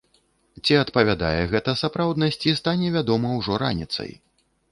Ці адпавядае гэта сапраўднасці, стане вядома ўжо раніцай.